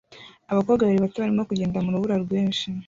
Abakobwa babiri bato barimo kugenda mu rubura rwinshi